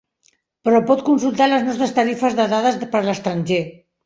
Però pot consultar les nostres tarifes de dades per l'estranger.